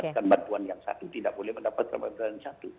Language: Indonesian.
bukan bantuan yang satu tidak boleh mendapatkan bantuan satu